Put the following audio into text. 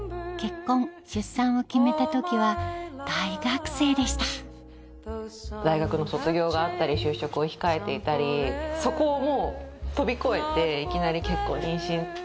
結婚出産を決めた時は大学生でした大学の卒業があったり就職を控えていたりそこをもう飛び越えていきなり結婚妊娠。